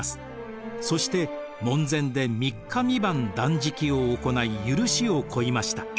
そして門前で３日３晩断食を行い許しを請いました。